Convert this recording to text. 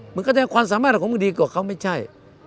มันก็จะความสามารถของมึงดีกว่าเขาไม่ใช่